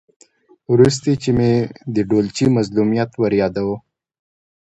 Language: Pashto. ورسته چې مې د ډولچي مظلومیت وریاداوه.